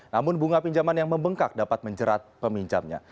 namun bunga pinjaman yang membengkak dapat menjerat peminjamnya